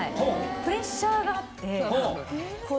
プレッシャーがあって。